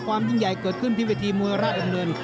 ยิ่งใหญ่เกิดขึ้นที่เวทีมวยราชดำเนิน